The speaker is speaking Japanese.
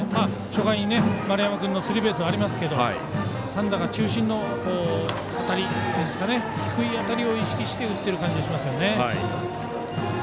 初回に丸山君のスリーベースがありますが単打が中心の当たり低い当たりを意識して打っている感じがありますよね。